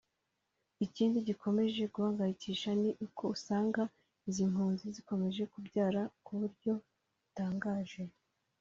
Ikindi gikomeje guhangayikisha ni uko usanga izi mpunzi zikomeje kubyara ku buryo butangaje